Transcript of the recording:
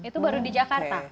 itu baru di jakarta